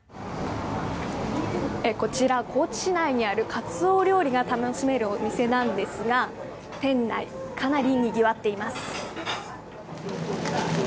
こちら、高知市内にあるカツオ料理が楽しめるお店なんですが店内、かなりにぎわっています。